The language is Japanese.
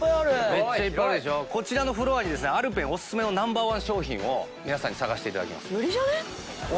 めっちゃいっぱいあるでしょこちらのフロアにＡｌｐｅｎオススメのＮｏ．１商品を皆さんに探していただきます